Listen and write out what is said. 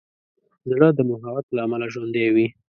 زړه د محبت له امله ژوندی وي.